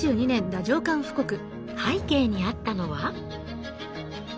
背景にあったのは。